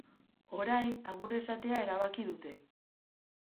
Orain, agur esatea erabaki dute.